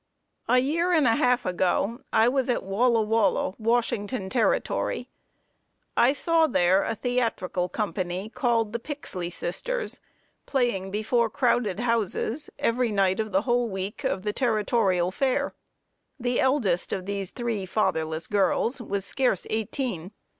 A year and a half ago I was at Walla Walla, Washington Territory. I saw there a theatrical company, called the "Pixley Sisters," playing before crowded houses, every night of the whole week of the territorial fair. The eldest of those three fatherless girls was scarce eighteen.